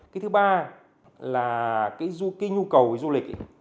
cái thứ ba là cái nhu cầu du lịch